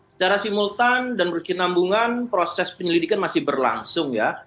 secara simultan dan berkenambungan proses penyelidikan masih berlangsung ya